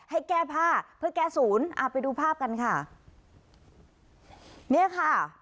ให้แก้ผ้าเพื่อแก้ศูนย์อ่าไปดูภาพกันค่ะเนี่ยค่ะ